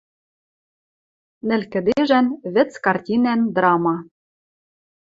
Нӹл кӹдежӓн, вӹц картинӓн драма